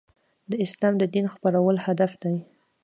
د اسلام د دین خپرول هدف دی.